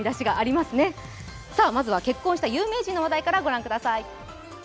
まずは結婚した有名人の話題からご覧ください。